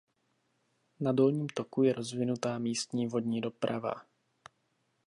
Na dolním toku je rozvinutá místní vodní doprava.